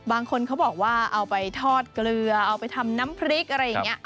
บางคนเขาบอกว่าเอาไปทอดเกลือเอาไปทำน้ำพริกอะไรอย่างนี้